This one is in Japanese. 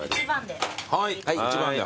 １番で。